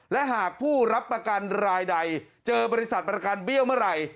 และหากผู้รับประกันรายใดเจอบริษัทประกันเบี้ยวเมื่อไหร่